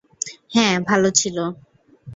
হ্যাঁ, ভালো ছিল।